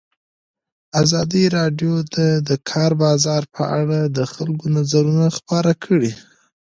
ازادي راډیو د د کار بازار په اړه د خلکو نظرونه خپاره کړي.